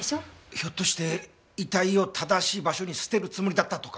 ひょっとして遺体を正しい場所に捨てるつもりだったとか。